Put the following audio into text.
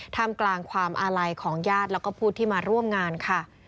ทำกลางความอาลัยของญาติแล้วก็ผู้ที่มาร่วมงานค่ะ